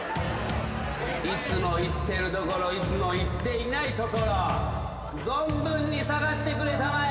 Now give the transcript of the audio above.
いつも行ってるところいつも行っていないところ存分に捜してくれたまえ。